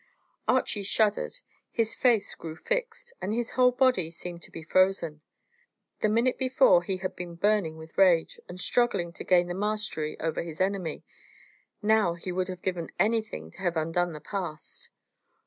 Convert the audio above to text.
Archy shuddered, his eyes grew fixed, and his whole body seemed to be frozen. The minute before he had been burning with rage, and struggling to gain the mastery over his enemy; now he would have given anything to have undone the past.